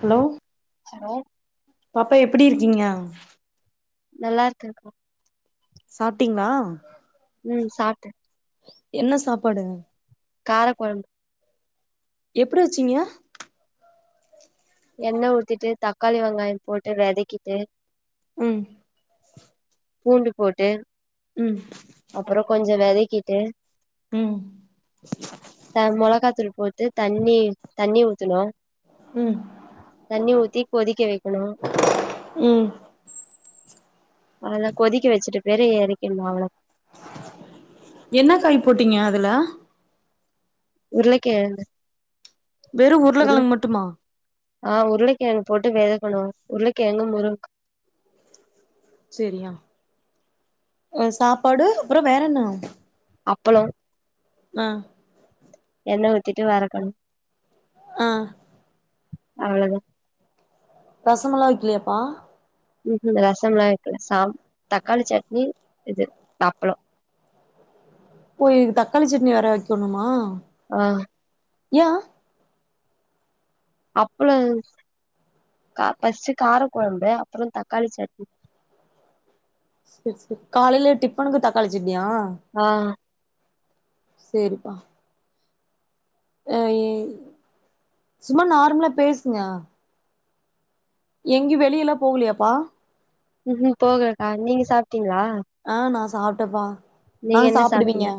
hello hello பாப்பா எப்டி இருக்கீங்க நல்லா இருக்கேன் சாப்பிட்டீங்களா ம் சாப்ட என்ன சாப்பாடு கார கொழம்பு எப்டி வச்சீங்க எண்ண ஊத்திட்டு தக்காளி வெங்காய போட்டு வெதக்கிட்டு ம் பூண்டு போட்டு ம் அப்ரோ கொஞ்ச வெதக்கிட்டு ம் [unintelligible] மொளகாத்தூள் போட்டு தண்ணி தண்ணி ஊத்தனு ம் தண்ணி ஊத்தி கொதிக்க வெக்கணு ம் அத கொதிக்க வெச்சுட்ட பிறகு எறக்கின்னு அவ்ளோ என்னா காய் போட்டீங்க அதுல உருளக் கெழங்கு வெறு உருளக்கெழங்கு மட்டுமா ஆ உருளைக்கெழங்கு போட்டு வேகனு உருளைக்கொழங்கு முருங்கா செரியா சாப்பாடு அப்பறோ வேறென்ன அப்பளோ ஆ எண்ண ஊத்திட்டு வரக்கணு ஆ அவ்ளோதா ரசமெல்லா வெக்கலயாப்பா ம் ரசம்லா வெக்கல சா தக்காளி சட்னி இது அப்ளோ போயி தக்காளி சட்னி வேற வெக்கணுமா ஆ யா அப்பளோ ஃபர்ஸ்ட்டு கார கொழம்பு அப்பறோ தக்காளி சட்னி செர் சரி காலையில டிப்பனுக்கு தாக்காளிச்சட்னியா ஆ சேரிப்பா ஆ ஏ சும்மா நார்மலா பேசுங்க எங்கியு வெளியல்லா போகலயாப்பா ம்ம் போகலக்கா நீங்க சாப்ட்டீங்ளா ஆ நா சாப்ட்டப்பா வாங்க என்ன சாப்புடுவீங்க சாப்ட்டீங்க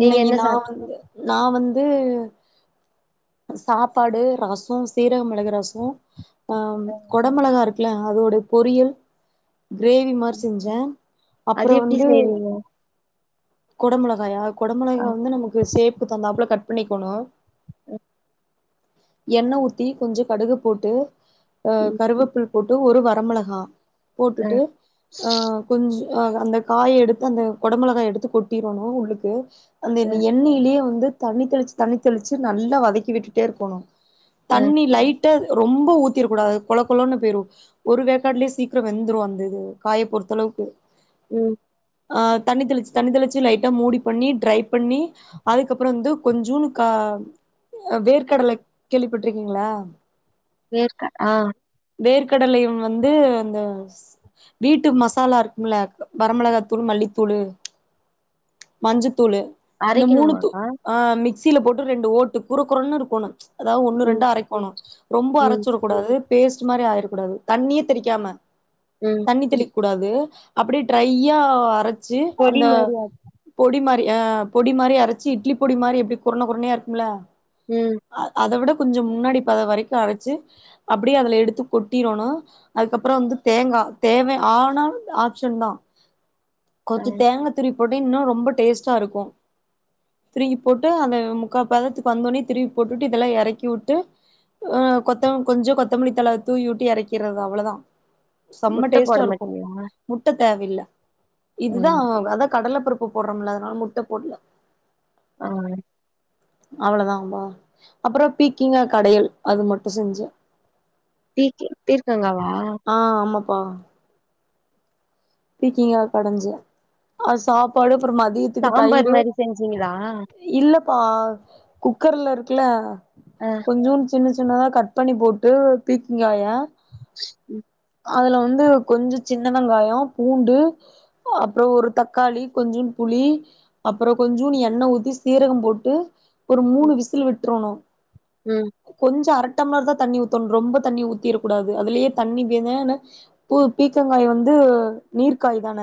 நீங்க என்ன நா வந்து நா வந்து சாப்பாடு ரசோ சீரக மிளகு ரசோ ஆ சாப்ட்டீங்க கொட மெளகா இருக்குல அதோட பொரியல் கிரே வி மாரி செஞ்சே அப்பற அது எப்டி வந்து செய்வீங்க கொடமெளகாயா ஆ கெடமெளகா வந்து நமக்கு சேப்பு தகுந்தாப்புல கட் பண்ணிக்கணு ம் எண்ண ஊத்தி கொஞ்சோ கடுகு போட்டு அ ம் கருவேப்பிள் போட்டு ஒரு வரமெளகா ஆ போட்டுட்டு அ கொஞ்சு அந்த காய எடுத்து அந்த கொடமெளகாய எடுத்து கொட்டிரணு உள்ளுக்கு அந்த ஆ எண்ணெயிலே வந்து தண்ணி தெளிச்சு தண்ணி தெளிச்சு நல்லா வதக்கி விட்டுட்டே இருக்கோணு ஆ தண்ணி லைட் டா ரொம்ப ஊத்திர கூடாது கொழ கொலன்னு போயிரு ஒரு வேக்காடலயே சீக்கிர வெந்துரு அந்த இது காய பொறுத்த அளவுக்கு ம் ஆ தண்ணி தெளிச்சு தண்ணி தெளிச்சு லைட்டா மூடி பண்ணி ட்ரை பண்ணி அதுக்கப்புற வந்து கொஞ்சூன்னு கா வேர்க்கடலை கேள்விப்பட்டுருக்கீங்களா வேர்க ஆ வேர்க் கடலைய வந்து அந்த ஸ் வீட்டு மசாலா இருக்கும்ல வரமெளகாத்தூளு மல்லித்தூளு மஞ்சத்தூளு இந்த மூணு தூ அரைக்கணுமாக்கா ஆ மிக்சியில போட்டு ரெண்டு ஓட்டு குரு குருன்னு இருக்கோணு அதா ஒண்ணு ம் ரெண்டு அரைக்கணு ரொம்ப ம் அரைச்சர கூடாது பேஸ்ட் மாரி ஆயிரக்கூடாது தண்ணியே தெரிக்காம ம் தண்ணி தெளிக்க கூடாது அப்டியே ட்ரையா அரச்சு பொடி அந்த மாரி ஆ பொடி மாரி அ பொடி மாரி அரச்சு இட்லி பொடி மாரி எப்டி குரன குரனையா இருக்குமல்ல ம் அ அத விட கொஞ்சோ முன்னாடி பதோ வரைக்கு அரச்சு அப்டியே அதுல எடுத்து கொட்டிறோணு அதுக்கப்றோ வந்து தேங்கா தேவ ஆனால் ஆப்ஷன்தான் ஆ கொஞ்சோ தேங்கா துருவி போட்டு இன்னு ரொம்ப டேஸ்ட்டா இருக்கு திருகி போட்டு அந்த முக்கா பதத்துக்கு வந்தொன்னே திருகி போட்டுவிட்டு இதெல்லா எறக்கி விட்டு உ கொத்த கொஞ்சோ கொத்தமல்லி தல தூவி விட்டு எறக்கிறது அவ்ளதா செம்ம முட்ட போட டேஸ்ட்டா இருக்கு மாட்டீங்களா முட்ட தேவயில்ல ஆ இதுதா அதா கடல பருப்பு போடுறோமல்ல அதனால முட்ட போடுல அ அவ்ளதாம்பா அப்றோ பீக்கிங்கா கடையல் அது மட்டு செஞ்ச பீக் பீர்கங்காவா ஆ ஆமாப்பா பீக்கீங்கா கடைஞ்ச அ சாப்பாடு அப்றோ மதிய சாம்பார் மாரி செஞ்சீங்ளா இல்லப்பா குக்கர்ல இருக்கல்ல அ கொஞ்சூன்னு சின்ன சின்னதா கட் பண்ணி போட்டு பீக்கிங்காய ம் அதுல வந்து கொஞ்சோ சின்ன வெங்காயோ பூண்டு அப்புறோ ஒரு தக்காளி கொஞ்சூன்னு புளி அப்றோ கொஞ்சூன்னு எண்ணெ ஊத்தி சீரகம் போட்டு ஒரு மூணு ம் விசில் விட்றோணு ம் கொஞ்சோ அரட்டம்ளர்தா தண்ணி ஊத்தணு ரொம்ப தண்ணிய ஊத்திர கூடாது அதுலயே தண்ணி வெ பு பீக்கங்காய் வந்து நீர் காய்தான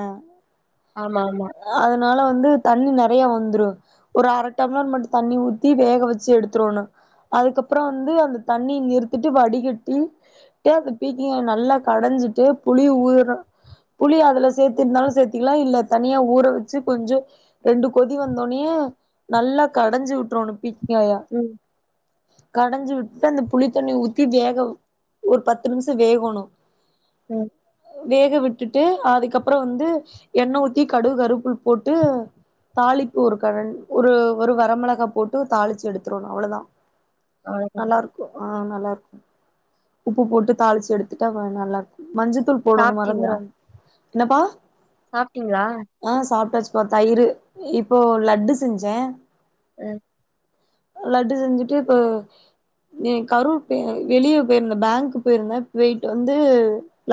ஆமாமா அதனால வந்து தண்ணி நெறையா வந்துரு ஒரு அர டம்ளர் மட்டு தண்ணி ஊத்தி வேக வச்சு எடுத்துரோணு அதுக்கப்றோ வந்து அந்த தண்ணி நிறுத்திட்டு வடிகட்டி ட்டு அத பீக்கிங்காய நல்லா கடைஞ்சிட்டு புளி ஊ புளி அதுல சேத்தி இருந்தாலு சேத்திக்கலா இல்ல தனியா ஊற வெச்சு கொஞ்சோ ரெண்டு கொதி வந்தொன்னயே நல்லா கடைஞ்சு விட்டுறோணு பீக்கங்காய ம் கடஞ்சு விட்டு அந்த புளி தண்ணி ஊத்தி வேக ஒரு பத்து நிமிஷோ வேகோணு ம் வேக விட்டுட்டு அதுக்கப்றோ வந்து எண்ணெ ஊத்தி கடு கருவேப்பில் போட்டு தாளிப்பு ஒரு கரண் ஒரு ஒரு வரமிளகா போட்டு தாளிச்சு எடுத்துரோணு அவ்ளதா அவ்ளோதா நல்லாரு அ நல்லாருக்கு உப்பு போட்டு தாழுச்சு எடுத்துட்டா அ நல்லாருக்கு மஞ்ச தூள் போடோனு மறந்துறாத என்னப்பா சாப்டீங்ளா அ சாப்டாச்சுப்பா தயிரு இப்போ லட்டு செஞ்சே அ லட்டு செஞ்சுட்டு இப்ப நீ கரூர் போ வெளியே போயிருந்தே பேங்க் போயிருந்தே போய்ட்டு வந்து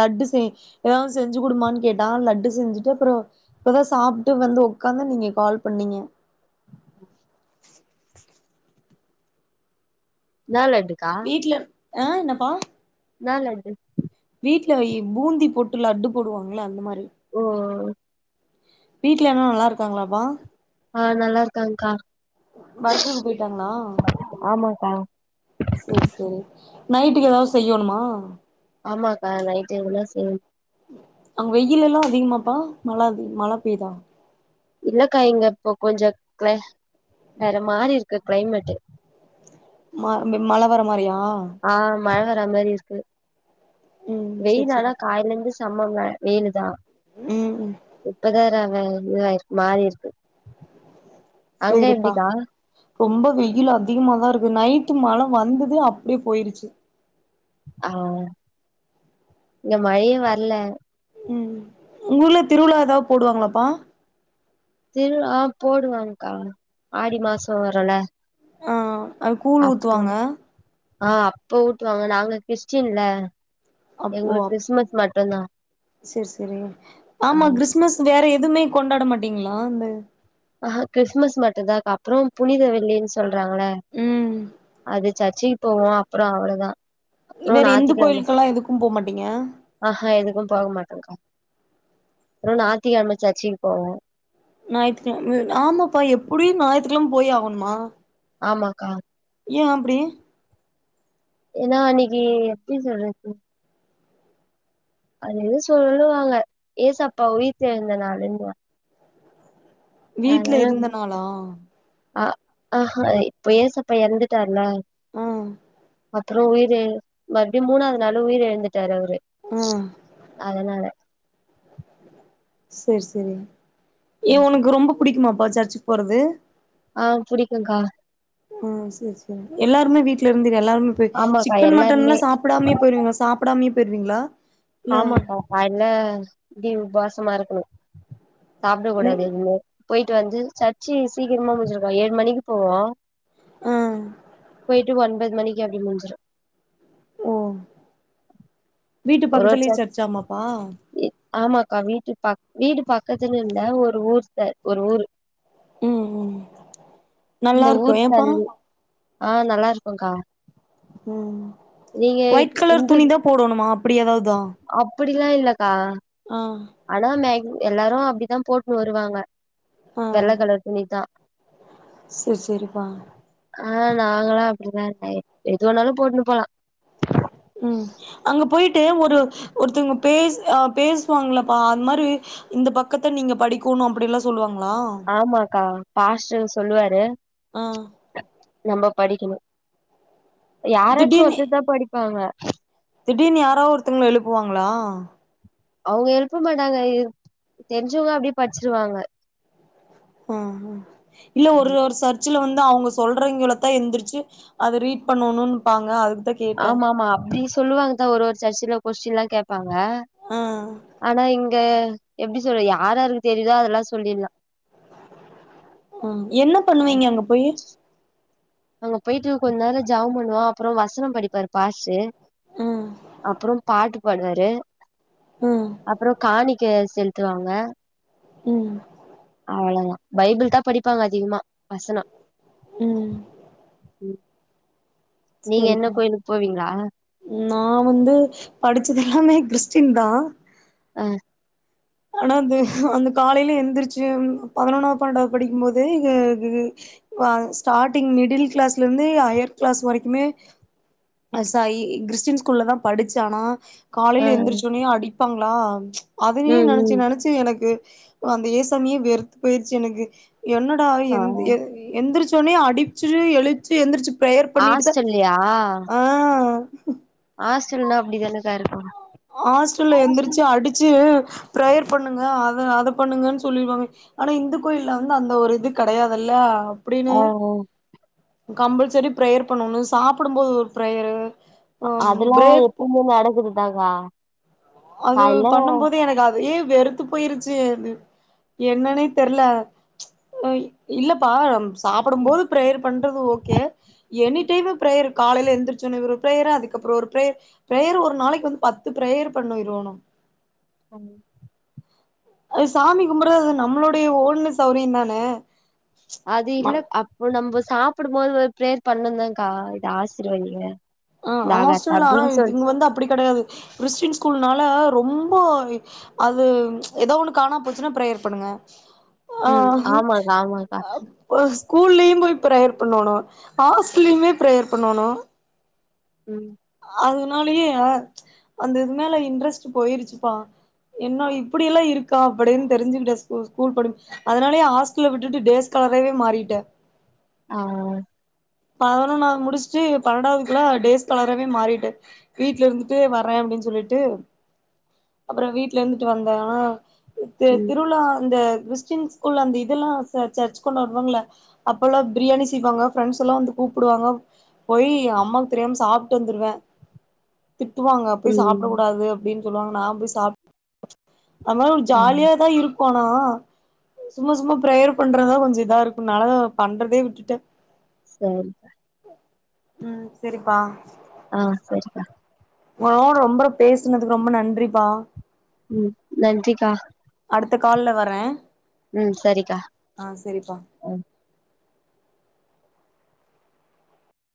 லட்டு செய் எதாவது செஞ்சு குடுமான்னு கேட்டா லட்டு செஞ்சுட்டு அப்புறோ இப்பதா சாப்ட்டு வந்து உக்காந்தே நீங்க கால் பண்ணீங்க என்னா லட்டுக்கா வீட்ல ஆ என்னப்பா என்ன லட்டு வீட்ல பூந்தி போட்டு லட்டு போடுவாங்களா அந்த மாரி ஓ வீட்ல என்னா நல்லா இருக்காங்களாப்பா ஆ நல்லா இருக்காங்க்கா ஒர்க்குக்கு போயிட்டாங்களா ஆமாக்கா சேரி சேரி நைட்டுக்கு எதாவது செய்யோணுமா ஆமாக்கா நைட்டு எதனா செய் அங்க வெயிலெல்லா அதிகமாப்பா மழ மழ பெய்யுதா இல்லக்கா இங்க இப்போ கொஞ்சோ கிள வேற மாறி இருக்கு கிளைமேட்டு [unintelligible] மழ வர மாரியா அ மழ வர மாரி இருக்கு ம் சேரி வெயிலானா சேரி கால்லருந்து செம்மங்க வெயிலுதா ம் இப்பதா [unintelligible] மாறி இருக்கு அங்க சேரிப்பா எப்டிக்கா ரொம்ப வெயில் அதிகமா தா இருக்கு நைட்டு மழ வந்துது அப்டியே போயிருச்சு அ இங்க மழையே வர்ல ம் உங்க ஊர்ல திருவிழா எதாவது போடுவாங்களாப்பா திருவிழா ஆ போடுவாங்க்கா ஆடி மாச வருல ஆ ஆ அப்போ ஆ அப்போ ஊட்டுவாங்க நாங்க கிறிஸ்ட்டீன்ல எங்களுக்கு கிறிஸ்மஸ் மட்டுந்தா சேர் சேரி ஆமா கிறிஸ்மஸ் வேற எதுமே கொண்டாட மாட்டீங்களா இந்த ஆஹா கிறிஸ்துமஸ் மட்டுந்தாக்கா அப்றோ புனித வெள்ளினு சொல்றாங்கள ம் அது சர்ச்சுக்கு போவோ அப்புறோ அவ்ளோதா இது அப்றோ மாரி இந்து ஞாத்திக்கெழம கோயிலுக்கெல்லா எதுக்கு போமாட்டீங்க ஆஹா எதுக்கு போக மாட்டோக்கா அப்றோ ஞாயித்திக்கெழம சர்ச்சுக்கு போவோ ஞாயித்துக்கெழம ஆமாப்பா எப்புடியு ஞாயித்துக்கெழம போயே ஆகணுமா ஆமாக்கா ஏ அப்டி ஏன்னா அன்னிக்கி எப்டி சொல்றது அது இது சொல்லுவாங்க ஏசப்பா உயிர்த்தெழுந்த நாளுன்னுவா வீட்ல அதுனால இருந்தனாலா ஆ ஆஹா இப்ப ஏசப்பா எறந்துட்டார்ல ம் அப்றோ உயிரு மறுபடியு மூணாவது நாளு மறுபடியு உயிர் எழுந்துட்டாரு அவரு ஆ அதனால சேர் சேரி ஏ உனக்கு ரொம்ப புடிக்குமாப்பா சர்ச்சுக்கு போறது ஆ புடிக்குக்கா ஆ செரி செரி எல்லாருமே வீட்ல இருந்து எல்லாருமே போய் ஆமாக்கா சிக்கன் மட்டன் எல்லாருமே எல்லா சாப் கூப்பிடாமே போய்ருவீங்களா சாப்பிடாமே போய்ருவீங்களா ஆமாக்கா கால்ல இடி உபாசமா இருக்கணும் சாப்பிட நீ கூடாது எதுமே போய்ட்டு வந்து சர்ச்சு சீக்கிரமா முடிஞ்சுருக்கா ஏழு மணிக்கு போவோ ஆ போயிட்டு ஒன்பது மணிக்கு அப்டி முடிஞ்சிடும் ஓ வீட்டு பக்கத்துலயே சர்ச்சாமாப்பா இ ஆமாக்கா வீட்டு ப வீடு பக்கத்துலே இருந்தா ஒரு ஊர் சார் ஒரு ஊரு ம் ம் நல்லா இந்த இருக்கு ஊர் ஏப்பா தந்து ஆ நல்லா இருக்கும்க்கா ம் ஒயிட் கலர் துணி தா போடணுமா அப்டி ஏதாவ்தா அப்டில்லா இல்லக்கா ஆ ஆனா மேக் எல்லாரும் அப்டித்தா போட்ன்னு வருவாங்க வெள்ள கலர் துணிதா சேர் சேரிப்பா அ நாங்களா அப்டிதாக்கா எ எது வேண்ணாலு போட்ன்னு போலா ம் அங்க போய்ட்டு ஒரு ஒருத்தவுங்க பேசு அ பேசுவாங்களப்பா அந் மாரி இந்த பக்கத்த நீங்க படிக்கோணு அப்டில்லா சொல்லுவாங்களா ஆமாக்கா பாஸ்ட்ரு சொல்லுவாரு ஆ நம்ம படிக்கணு யாராச்சு திடீர்னு ஒருத்தர்தா படிப்பாங்க திடீர்னு யாரோ ஒருத்தவுங்கள எழுப்புவாங்களா அவங்க எழுப்ப மாட்டாங்க தெரிஞ்சவங்க அப்டியே படிச்சிருவாங்க ஆ ஆ இல்ல ஒரு ஒரு சர் சர்ச்சில வந்து அவங்க சொல்றங்கங்களதா எந்திரிச்சு அது ரீட் பண்ணணும்னுப்பாங்க அது ஆமா ஆமா அப்டி சொல்லுவாங்க அக்கா ஒரு ஒரு சர்ச்சில கொஸ்டின்ல்லாம் கே ப்பாங்க ஆ ஆனா இங்க எப்டி சொல்ல யாராருக்கு தெரியுதோ அதெல்லாம் சொல்லிலாம் அ என்ன பண்ணுவீங்க அங்க போயி அங்க போய்ட்டு கொஞ்ச நேர ஜவ பண்ணுவோம் அப்புறம் வசனம் படிப்பாரு பாசு ம் அப்புறம் பாட்டு பாடுவாரு ம் அப்புறம் காணிக்க செலுத்துவாங்க ம் அவ்ளோதா பைபிள் தா படிப்பாங்க அதிகமா வசனம் ம் ம் நீங்க என்ன சரிப்பா கோயிலுக்கு போவீங்களா நா வந்து படிச்சது எல்லாமே கிறிஸ்டின் தா ஆ ஆனா அந்த அந்த காலைல எந்திரிச்சு பதினொன்னாவ பன்னெண்டாவ படிக்கும் போது எ இது ஸ்டார்டிங் மிடில் கிளாஸ்ல இருந்து ஹையர் கிளாஸ் வரைக்குமே அ ச இ கிறிஸ்டின் ஸ்கூல்ல தா படிச்ச ஆனா அ காலையில எழுந்திரிச்சோடனே அடிப்பாங்களா அதுவே ம் என்னால ம் நினைச்சு எனக்கு அந்த ஏசாமிய வெறுத்து போயிருச்சு எனக்கு என்னடாவ எ ஆ எ எந்திரிச்ச உடனே அடிச்சுட்டு எழுச்சு எந்திரிச்சு பிரேயர் பண்ணிட்டுதா ஹாஸ்டல்லயா ஆ ஆஸ்டல்ன்னா அப்டிதானக்கா இருக்கும் ஹாஸ்டல்ல எந்திரிச்சு அடிச்சு பிரேயர் பண்ணுங்க அத அத பண்ணுங்கன்னு சொல்லிருவாங்க ஆனா இந்து கோயில்ல வந்து அந்த ஒரு இது கிடையாதுல்ல அப்டின்னு ஆ கம்பல்சரி பிரேயர் பண்ணனு சாப்டும்போது ஒரு பிரேயரு ம் அதெல்லா பிரேக் எப்பவுமே நடக்குறதுதாக்கா அது பண்ணும் போது எனக்கு அது யே வெறுத்து போயிருச்சி அது என்னன்னே தெர்ல ஆ இல்லப்பா சாப்டும் போது பிரேயர் பண்றது ஓகே எனி டைமு பிரேயரு காலேல எந்திரிச்ச ஒன்னே ஒரு பிரேயரு அதுக்கப்பறோ ஒரு பிரேயரு பிரேயரு ஒரு நாளைக்கி வந்து பத்து பிரேயரு பண்ணிரனு உங்கள அது சாமி கும்புடுறது நம்மளுடய ஓனு சௌரியோ தான அது மன் இல்ல அப்போ நம்ம சாப்டும்போது ப்ரேயர் பண்ணுனுதாங்க்கா இது ஆசிர்வதிங்க ஆ இதாகாது ஹாஸ்டல்லா அப்டின்னு சொல் இங்க வந்து அப்டி கெடயாது கிறிஸ்டின் ஸ்கூல்னால ரொம்ப அது ஏதோ ஒண்ணு காணாம போச்சுன்னா பிரேயர் பண்ணுங்க ஆ ம் ஆமாக்கா ஆமாக்கா அப் ஓ ஸ்கூல்லயு போய் பிரேயர் பண்னோணு ஹாஸ்டல்லயுமே பிரேயர் பண்னோணு ம் அதுனாலயே அந்த இது மேல இன்ட்ரெஸ்ட் போயிருச்சுப்பா இன்னு இப்டியெல்லா இருக்கா அப்டின்னு தெரிஞ்சிக்கிட்டே ஸ்கூல் படி அதனாலயே ஹாஸ்டல்ல விட்டுட்டு டேஸ் காலராவே மாறிட்டே ஆ பதினொன்னாவது முடிச்சுட்டு பன்னெண்டாவதுக்குள்ள டேஸ் காலராவே மாறிட்டே வீட்ல இருந்துட்டே வர்றே அப்டின்னு சொல்லிட்டு அப்பறோ வீட்ல இருந்துட்டு வந்தே ஆனா தே ம் திருவிழா அந்த கிறிஸ்டின் ஸ்கூல்ல அந்த இதெல்லா சர்ச்க்கு கொண்டு வருவாங்கல்ல அப்பெல்லா பிரியாணி செய்வாங்க ஃப்ரெண்ட்ஸ் எல்லா வந்து கூப்டுவாங்க போய் அம்மாக்கு தெரியாம சாப்ட்டு வந்துருவே திட்டுவாங்க போய் சாப்ட ம் கூடாது அப்டின் சொல்வாங்க நா போய் சாப் அதுமாறி ஒரு ஆ ஜாலியாதா இருக் கு ஆனா சும்மா சும்மா பிரேயர் பண்றதுதா கொஞ்சோ இதா இருக்கு நாலா பண்றதே விட்டுட்டே சாரி ம் செரிப்பா ஆ சரிக்கா ஒங்களோட ரொம்ப பேசுனதுக்கு ரொம்ப நன்றிப்பா ம் நன்றிக்கா அடுத்த கால்ல வர்றே ம் சரிக்கா ம்